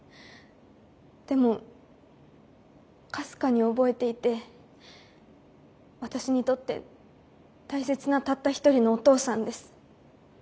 でもかすかに覚えていて私にとって大切なたった一人のお父さんです。